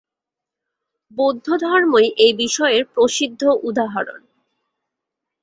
বৌদ্ধধর্মই এই বিষয়ের প্রসিদ্ধ উদাহরণ।